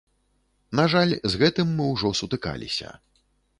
На жаль, з гэтым мы ўжо сутыкаліся.